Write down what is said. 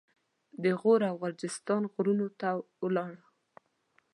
د غور او غرجستان غرونو ته ولاړ.